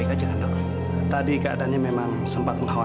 aksan udah deh aksan gak usah dipanggil panggil ya